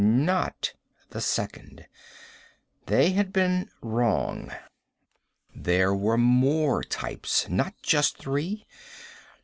Not the Second. They had been wrong. There were more types. Not just three.